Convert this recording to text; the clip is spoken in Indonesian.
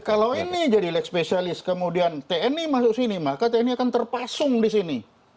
kalau ini jadi leg spesialis kemudian tni masuk sini maka tni akan terpasung di sini